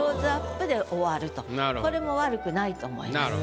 これも悪くないと思います。